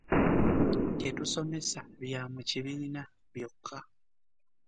Tetusomesa bya mu kibiina byokka.